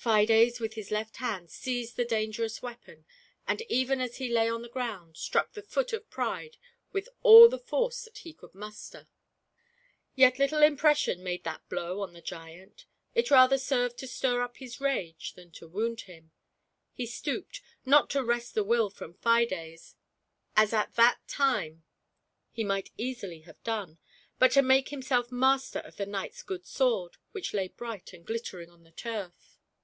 Fides with his left hand seized the dangerous weapon, and even as he lay on the ground, struck the foot of Pride with all the force that he could muster. Yet GIANT PRIDE. ^K ^X ^^ Sk IMm mk B WW* f 1 ^^M ^s% P^ little impression made that blow on the ^ant; it rather served to stir up bis rage than to wound him: he stooped, not to wrest the Will from Fides, as at that 156 GIANT PRIDE. time he might easily have done, but to make himself master of the knights good sword, which lay bright and glittering on the turf.